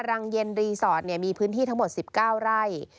รังเย็นรีสอร์ทมีพื้นที่ทั้งหมด๑๙ไร่